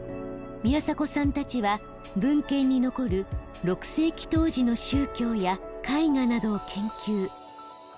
宮廻さんたちは文献に残る６世紀当時の宗教や絵画などを研究。